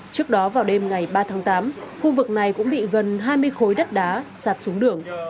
trước đó vào đêm ngày ba tháng tám khu vực này cũng bị gần hai mươi khối đất đá sạt xuống đường